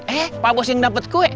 eh pak bos yang dapat kue